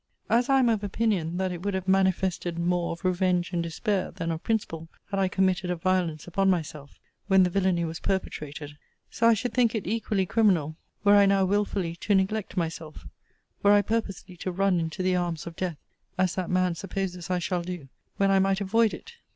As I am of opinion, that it would have manifested more of revenge and despair than of principle, had I committed a violence upon myself, when the villany was perpetrated; so I should think it equally criminal, were I now wilfully to neglect myself; were I purposely to run into the arms of death, (as that man supposes I shall do,) when I might avoid it.